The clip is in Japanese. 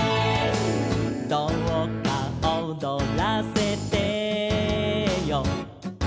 「どうか踊らせてよ」